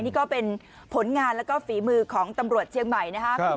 นี่ก็เป็นผลงานแล้วก็ฝีมือของตำรวจเชียงใหม่นะครับ